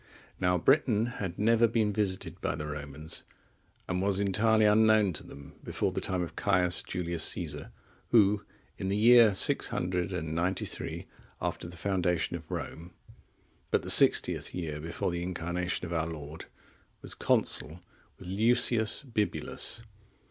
Now Britain had never been visited by the Romans, and was entirely unknown to them before the time of Caius Julius Caesar, who, in the year 693 after the foundation of Rome, but the sixtieth year(33) before the Incarnation of our Lord, was consul with Lucius Bibulus.